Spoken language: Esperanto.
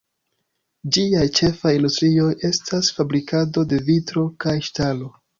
Ĝiaj ĉefaj industrioj estas fabrikado de vitro kaj ŝtalo.